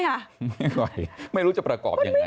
ไม่ไหวไม่รู้จะประกอบยังไง